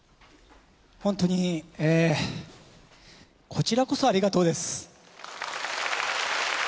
本当にこちらこそありがとうです。